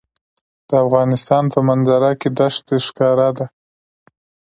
د افغانستان په منظره کې دښتې ښکاره ده.